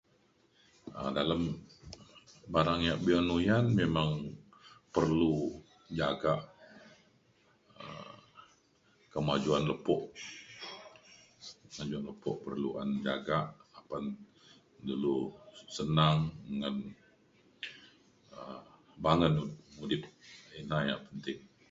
um dalem barang yak be’un uyan memang perlu jagak um kemajuan lepo. kemajuan lepo perlu an jagak apan dulu senang ngan um bangen udip. ina yak penting.